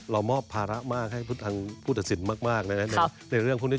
เรามอบภาระมากให้ทางผู้จัดสินมากในเรื่องพวกนี้